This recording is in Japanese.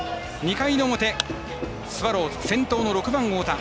２回の表、スワローズ先頭の６番、太田。